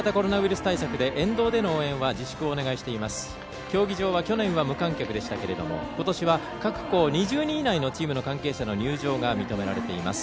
スタジアムは去年は無観客でしたがことしは各校２０人以内のチームの関係者の入場が認められています。